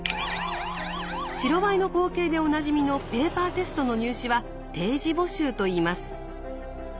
白バイの光景でおなじみのペーパーテストの入試は定時募集といいます。